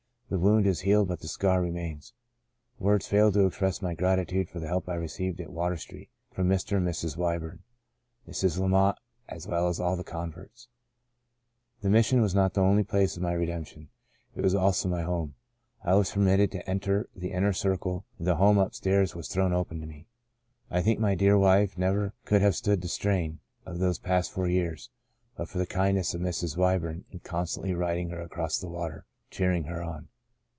The wound is healed but the scar remains. Words fail to express my gratitude for the help I received at Water Street from Mr. and Mrs. Wyburn, Mrs. Lamont, as well as all the converts. The Mission was not only the place of my redemption ; it was also my home. I was permitted to enter the inner circle and the home up stairs was thrown open to me. I think my dear wife never could have stood the strain of those past four years, but for the kindness of Mrs. Wyburn in constantly writ ing her across the water cheering her on.